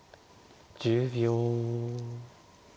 １０秒。